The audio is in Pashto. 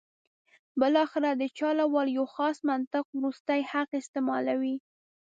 بالاخره د چل ول یو خاص منطق وروستی حق استعمالوي.